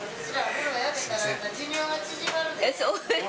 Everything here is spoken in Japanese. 私ら、風呂辞めたら寿命が縮まるで。